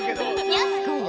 やす子よ。